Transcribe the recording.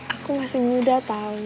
aku masih muda tau